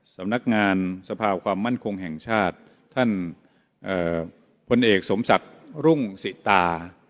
สำนักงานสภาความมั่นคงแห่งชาติท่านพลเอกสมศักดิ์รุ่งสิตา